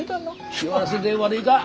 幸せで悪いが？